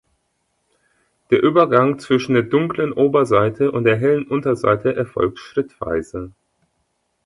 Der Übergang zwischen der dunklen Oberseite und der hellen Unterseite erfolgt schrittweise.